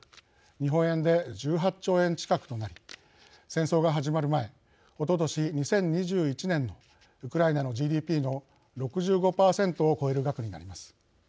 日本円で１８兆円近くとなり戦争が始まる前おととし２０２１年のウクライナのＧＤＰの６５％を超える額になります。